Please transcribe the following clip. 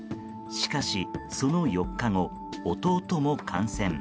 しかし、その４日後弟も感染。